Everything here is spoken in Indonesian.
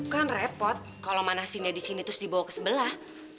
kan repot kalau manasinnya di sini terus dibawa ke sebelah